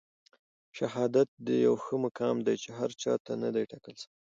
شهادت يو ښه مقام دی چي هر چاته نه دی ټاکل سوی.